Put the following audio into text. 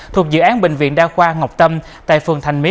thuộc dự án bệnh viện đa khoa ngọc tâm tại phường thành mỹ